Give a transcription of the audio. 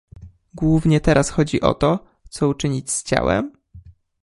Głównie teraz chodzi o to, co uczynić z ciałem?